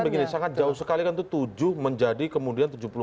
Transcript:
tapi begini sangat jauh sekali kan itu tujuh menjadi kemudian tujuh puluh tujuh